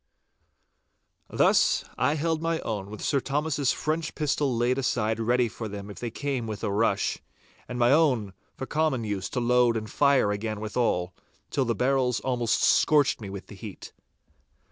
Thus I held my own with Sir Thomas's French pistol laid aside ready for them if they came with a rush, and my own for common use to load and fire again withal, till the barrels almost scorched me with the heat.